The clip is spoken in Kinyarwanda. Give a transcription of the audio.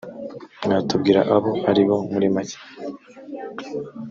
mwatubwira abo ari bo muri make